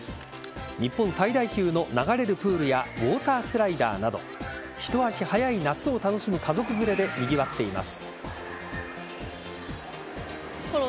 日本最大級の流れるプールやウォータースライダーなどひと足早い夏を楽しむ家族連れでにぎわっています。